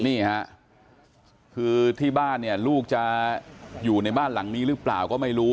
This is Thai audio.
นี่ฮะคือที่บ้านเนี่ยลูกจะอยู่ในบ้านหลังนี้หรือเปล่าก็ไม่รู้